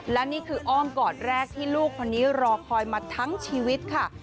และนี่คืออ้อมกอดแรกที่ลูกคนนี้รอคอยมาทั้งชีวิตค่ะ